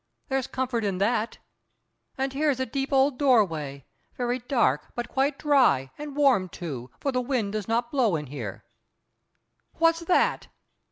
There's comfort in that. And here's a deep old doorway—very dark, but quite dry, and warm too, for the wind does not blow in here. What's that?"